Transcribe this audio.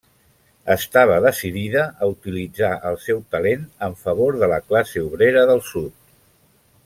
Estava decidida a utilitzar el seu talent en favor de la classe obrera del sud.